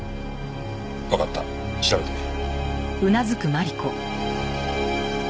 わかった調べてみる。